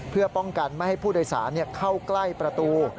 เพื่อป้องกันไม่ให้ผู้โดยสารเข้าใกล้ประตู